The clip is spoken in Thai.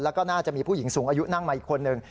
แล้วก็น่าจะมีผู้หญิงสูงอายุนั่งมาอีกคนนึง